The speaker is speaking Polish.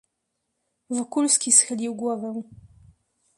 "Wokulski schylił głowę."